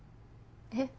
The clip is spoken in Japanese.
えっ？